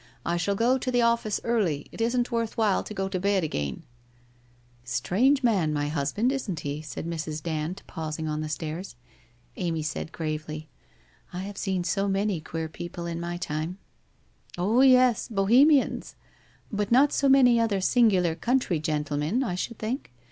' I shall go to the office early, it isn't worth while to go to bed again !'' Strange man, my husband, isn't he ?' said Mrs. Dand, pausing on the stairs. Amy said gravely, ' I have seen so many queer people in my time/ ' Oh, yes, Bohemians. But not so many other singular country gentlemen, I should think?'